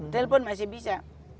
telpon masih bisa